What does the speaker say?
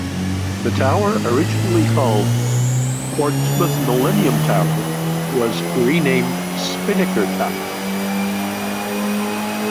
The tower, originally called Portsmouth Millennium Tower, was renamed Spinnaker Tower.